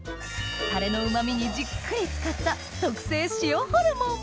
タレのうま味にじっくり漬かった特製塩ホルモン